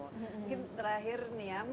mungkin terakhir niam